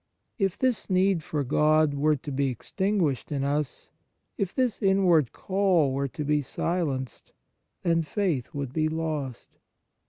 If this need for God were to be extinguished in us, if this inward call were to be silenced, then faith would be lost.